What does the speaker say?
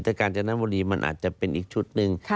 แต่กาญจนบุรีมันอาจจะเป็นอีกชุดหนึ่ง